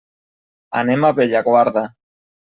Anem a Bellaguarda.